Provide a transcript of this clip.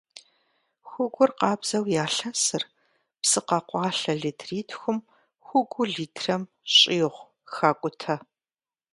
Хугур къабзэу ялъэсыр, псы къэкъуалъэ литритхум хугуу литрэм щӏигъу хакӏутэ.